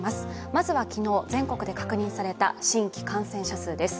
まずは昨日、全国で確認された新規感染者数です。